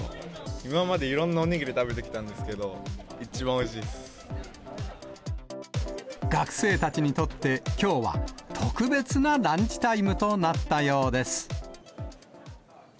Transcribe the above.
今までいろんなお握り食べてきたんですけど、一番おいしいで学生たちにとって、きょうは特別なランチタイムとなったようです。